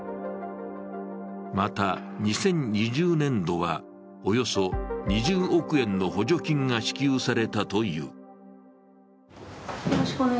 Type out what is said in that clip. また、２０２０年度はおよそ２０億円の補助金が支給されたという。